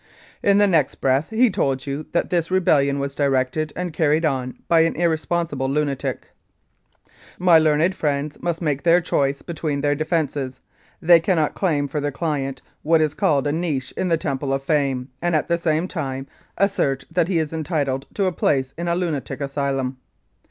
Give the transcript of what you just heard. In the next breath he told you that this rebellion was directed and carried on by an irresponsible lunatic. ... "My learned friends must make their choice between their defences. They cannot claim for their client what is called a niche in the Temple of Fame and at the same time assert that he is entitled to a place in a lunatic asylum.